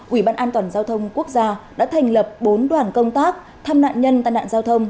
ủy ban an toàn giao thông quốc gia đã thành lập bốn đoàn công tác thăm nạn nhân tai nạn giao thông